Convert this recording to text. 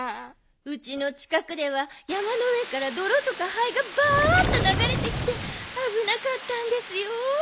うちのちかくでは山のうえからどろとかはいがバッとながれてきてあぶなかったんですよ。